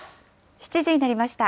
７時になりました。